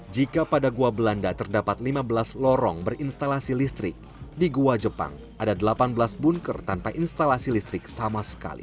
jika pada gua belanda terdapat lima belas lorong berinstalasi listrik di goa jepang ada delapan belas bunker tanpa instalasi listrik sama sekali